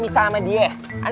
hi tahu nggak kan